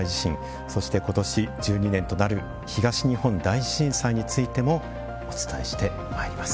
そして今年１２年となる東日本大震災についてもお伝えしてまいります。